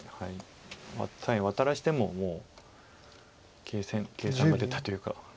左辺ワタらせてももう計算が出たというか。